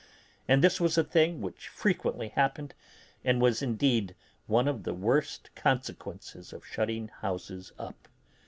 And this was a thing which frequently happened, and was indeed one of the worst consequences of shutting houses up.